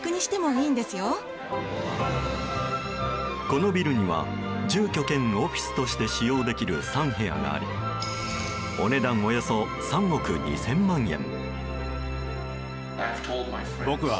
このビルには住居兼オフィスとして使用できる３部屋がありお値段およそ３億２０００万円。